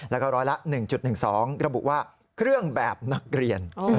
แล้วก็ร้อยละ๑๑๒ระบุว่าเครื่องแบบนักเรียน